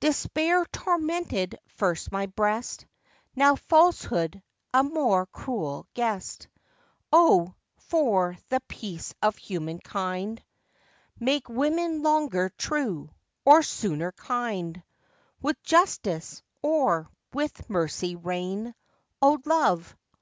Despair tormented first my breast, Now falsehood, a more cruel guest; O! for the peace of human kind, Make women longer true, or sooner kind: With justice, or with mercy reign, O Love!